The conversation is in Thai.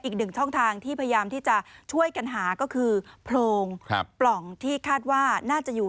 อีกหนึ่งช่องทางที่พยายามที่จะช่วยกันหาก็คือโพรงปล่องที่คาดว่าน่าจะอยู่